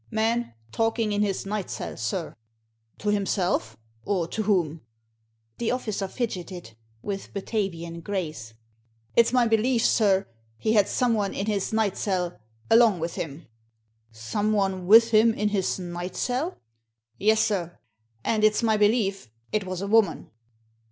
" Man talking in his night cell, sir." " To himself? Or to whom ?" The officer fidgeted — with Batavian grace. " It's my belief, sir, he had someone in his night cell along with him." " Someone with him in his night cell ?"Yes, sir ; and it's my belief it was a woman."